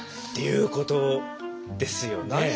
っていうことですよね。